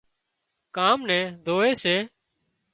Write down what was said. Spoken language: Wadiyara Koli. ڪام نين زووي سي